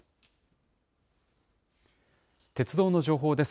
鉄道の情報です。